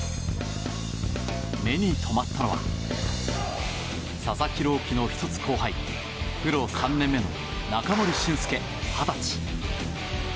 目に留まったのは佐々木朗希の１つ後輩プロ３年目の中森俊介、二十歳。